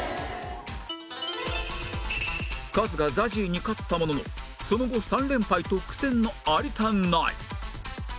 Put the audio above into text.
カズが ＺＡＺＹ に勝ったもののその後３連敗と苦戦の有田ナイン